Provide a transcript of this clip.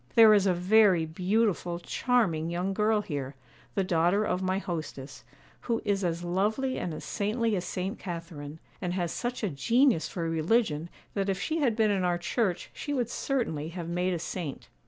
'There is a very beautiful, charming young girl here, the daughter of my hostess, who is as lovely and as saintly as St. Catharine, and has such a genius for religion that if she had been in our Church she would certainly have made a saint.